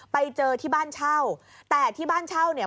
ไปเจอที่บ้านเช่าแต่ที่บ้านเช่าเนี่ย